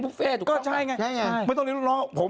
เครื่องไอร์ก็ใช่ไงใช่ไงไงไม่ต้องเลี้ยงลูกน้อง